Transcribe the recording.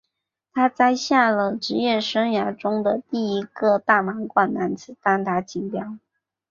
他摘下了职业生涯中的第一个大满贯男子单打锦标。